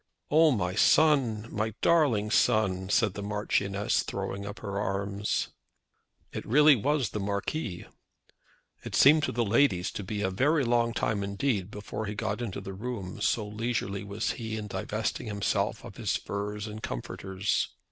"Oh, my son; my darling son," said the Marchioness, throwing up her arms. It really was the Marquis. It seemed to the ladies to be a very long time indeed before he got into the room, so leisurely was he in divesting himself of his furs and comforters.